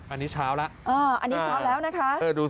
อันนี้เช้าแล้วอันนี้เช้าแล้วนะคะ